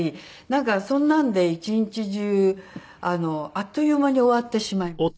なんかそんなんで一日中あっという間に終わってしまいます。